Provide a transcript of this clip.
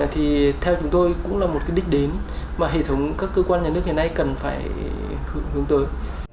thì theo chúng tôi cũng là một cái đích đến mà hệ thống các cơ quan nhà nước hiện nay cần phải hướng tới